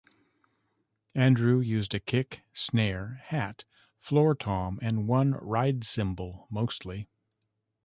Andrew used a kick, snare, hat, floor tom, and one ride cymbal mostly.